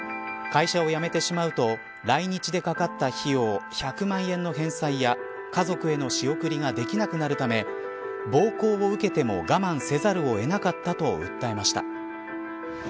会社を辞めてしまうと来日でかかった費用１００万円の返済や家族への仕送りができなくなるため暴行を受けても我慢せざるを得なかったと訴えました。